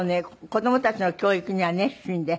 子供たちの教育には熱心で。